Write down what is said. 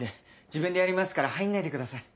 自分でやりますから入んないでください。